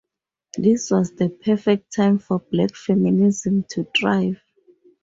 This was the perfect time for black feminism to thrive.